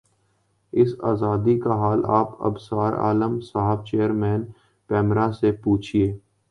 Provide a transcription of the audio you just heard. اس آزادی کا حال آپ ابصار عالم صاحب چیئرمین پیمرا سے پوچھیے